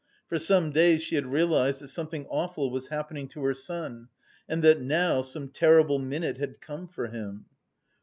For some days she had realised that something awful was happening to her son and that now some terrible minute had come for him.